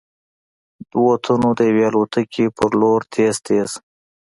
دوو تنو د يوې الوتکې په لور تېز تېز �